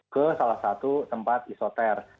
ke salah satu tempat isoter